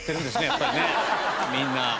やっぱりねみんな。